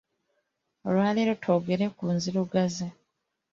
Olwaleero twogere ku nzirugaze.